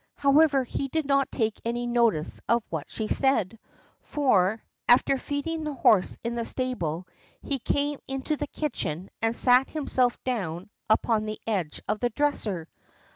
However, he did not take any notice of what she said, for, after feeding the horse in the stable, he came into the kitchen and sat himself down upon the edge of the dresser.